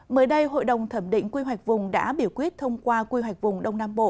mới đây hội đồng thẩm định quy hoạch vùng đã biểu quyết thông qua quy hoạch vùng đông nam bộ